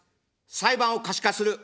裁判を可視化する。